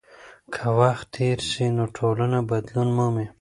که وخت تېر سي نو ټولنه بدلون مومي.